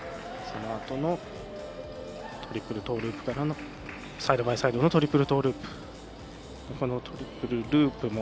そのあとのトリプルトーループからのサイドバイサイドのトリプルトーループ。